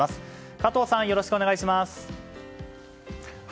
加藤さん、よろしくお願いします。